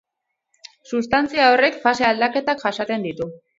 Sustantzia horrek fase aldaketak jasaten ditu.